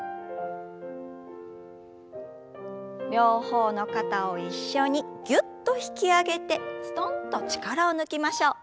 両方の肩を一緒にぎゅっと引き上げてすとんと力を抜きましょう。